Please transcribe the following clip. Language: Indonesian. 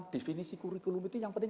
definisi kurikulum itu yang penting